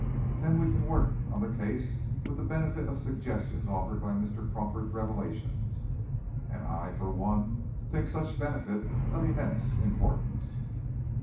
Then we can work on the case, with the benefit of the suggestions offered by Mr. Crawford's revelations; and I, for one, think such benefit of immense importance."